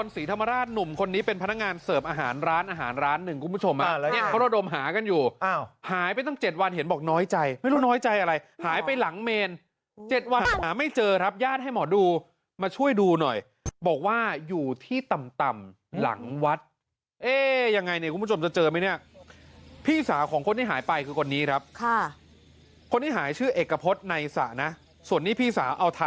สีธรรมราชหนุ่มคนนี้เป็นพนักงานเสิร์ฟอาหารร้านอาหารร้านหนึ่งคุณผู้ชมอ่ะ